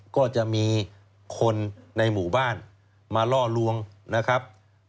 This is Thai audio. ก็จะมีคนในหมู่บ้านมาล่อลวงนะครับ